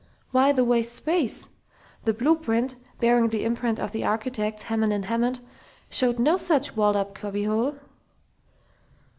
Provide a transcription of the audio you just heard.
Why the waste space? The blueprint, bearing the imprint of the architects, Hammond & Hammond, showed no such walled up cubbyhole!